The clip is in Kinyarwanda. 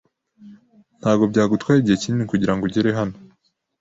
Ntabwo byagutwaye igihe kinini kugirango ugere hano.